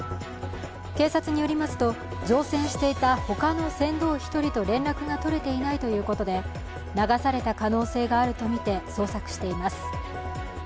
警察によりますと、乗船していた他の船頭１人と連絡が取れていないということで流された可能性があるとみて捜索しています。